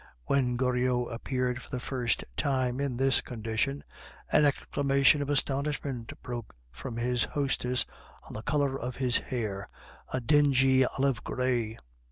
When Goriot appeared for the first time in this condition, an exclamation of astonishment broke from his hostess at the color of his hair a dingy olive gray.